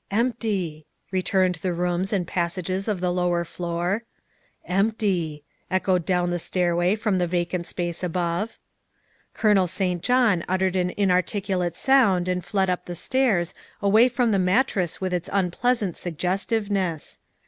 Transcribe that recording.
" Empty," returned the rooms and passages of the lower floor. '' Empty, '' echoed down the stairway from the vacant space above. Colonel St. John uttered an inarticulate sound and fled up the stairs, away from the mattress with its un pleasant suggestiveness.